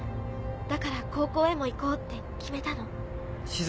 だから高校へも行こうって決めたの。